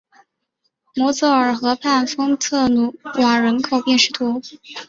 摩泽尔河畔丰特努瓦人口变化图示